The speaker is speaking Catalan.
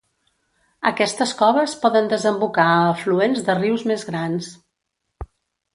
Aquestes coves poden desembocar a afluents de rius més grans.